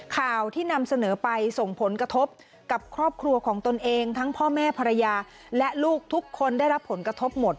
ข่าวที่นำเสนอไปส่งผลกระทบกับครอบครัวของตนเองทั้งพ่อแม่ภรรยาและลูกทุกคนได้รับผลกระทบหมด